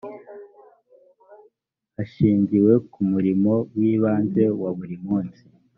hashingiwe ku murimo w ibanze wa buri munsi